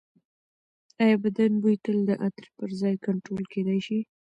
ایا بدن بوی تل د عطر پرځای کنټرول کېدی شي؟